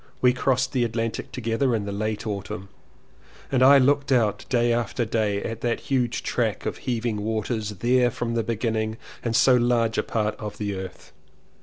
We crossed the Atlantic together in the late Autumn and I looked out day after day at that huge track of heaving waters — there from the beginning and so large a part of the earth.